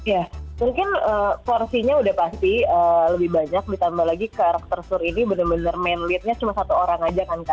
ya mungkin porsinya udah pasti lebih banyak ditambah lagi karakter suri ini benar benar main leadnya cuma satu orang aja kan kak